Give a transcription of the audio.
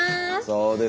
そうですか。